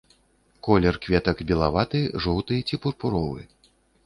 Колер кветак белаваты, жоўты ці пурпуровы.